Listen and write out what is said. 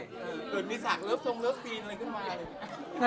เกิดมีสักเลิฟชงเลิฟซีนอะไรขึ้นมา